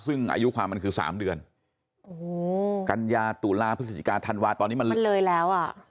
ซึ่งอายุความมันคือสามเดือนโอ้โหกัญญาตุลาพฤศจิกาธันวาตอนนี้มันเลยมันเลยแล้วอ่ะ